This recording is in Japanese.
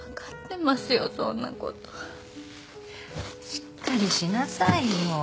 しっかりしなさいよ。